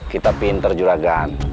kita pinter juga gan